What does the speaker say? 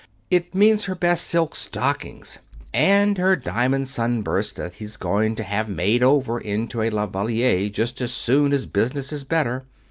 It means her best silk stockings, and her diamond sunburst that he's going to have made over into a La Valliere just as soon as business is better.